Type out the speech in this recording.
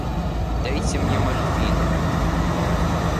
Дайте мне морфину.